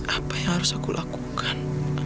apa yang harus aku lakukan